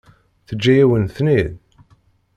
Teǧǧa-yawen-ten-id?